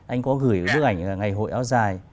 anh có gửi bức ảnh ngày hội áo dài